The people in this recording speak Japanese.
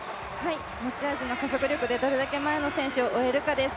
持ち味の加速力でどれだけ前の選手を追えるかです。